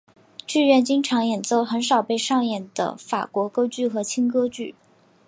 剧院经常演奏很少被上演的法国歌剧和轻歌剧。